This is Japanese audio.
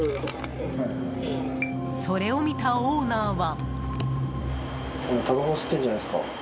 それを見たオーナーは。